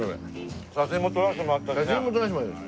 写真も撮らせてもらった。